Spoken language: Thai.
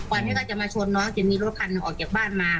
วันนี้ก็จะมาชวนน้องจะมีรถคันออกจากบ้านมา